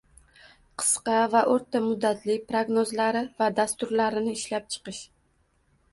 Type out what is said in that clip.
qisqa va o`rta muddatli prognozlari va dasturlarini ishlab chiqish;